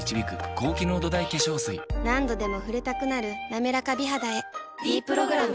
何度でも触れたくなる「なめらか美肌」へ「ｄプログラム」